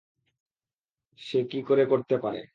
সে কী করে করতে পারে?